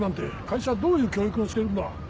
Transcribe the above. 会社はどういう教育をしてるんだ。